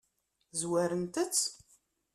Zwarent-t?